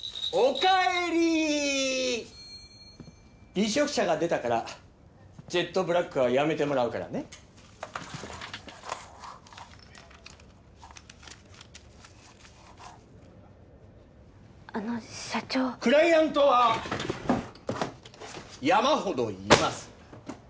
離職者が出たからジェットブラックは辞めてもらうからねあの社長クライアントは山ほどいます